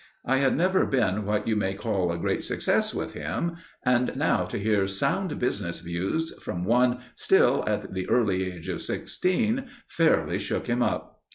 I had never been what you may call a great success with him, and now to hear sound business views from one still at the early age of sixteen, fairly shook him up.